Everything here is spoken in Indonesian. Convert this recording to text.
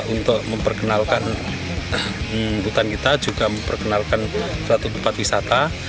untuk memperkenalkan hutan kita juga memperkenalkan suatu tempat wisata